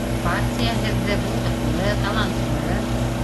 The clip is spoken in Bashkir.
Партия һеҙҙе булдыҡлы, талантлы